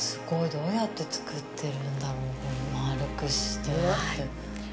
どうやって造ってるんだろう、この丸くしてあるの。